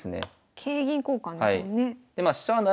桂銀交換ですもんね。